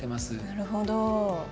なるほど。